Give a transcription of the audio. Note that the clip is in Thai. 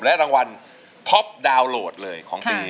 รางวัลท็อปดาวน์โหลดของปี๒๐๑๒